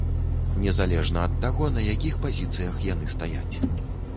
Незалежна ад таго, на якіх пазіцыях яны стаяць.